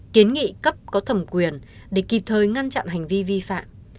kiến nghị cấp có thẩm quyền để kịp thời ngăn chặn hành vi vi phạm